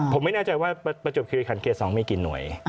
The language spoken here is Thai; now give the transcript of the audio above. ผมไม่แน่ใจว่าประจบคิริขันเขต๒มีกี่หน่วย